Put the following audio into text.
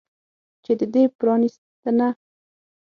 چې د دې پرانستنه